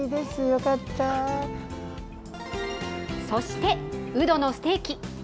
そして、うどのステーキ。